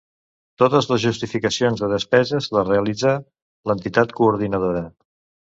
Totes les justificacions de despeses les realitza l'entitat coordinadora.